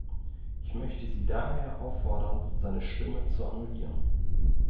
Ich möchte Sie daher auffordern, seine Stimme zu annullieren.